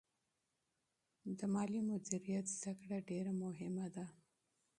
د مالي مدیریت زده کړه ډېره مهمه ده.